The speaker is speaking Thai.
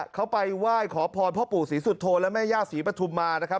เขาไปไหว้ขอพรพ่อปู่ศรีสุโธและแม่ย่าศรีปฐุมมานะครับ